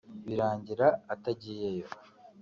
birangira atagiyeyo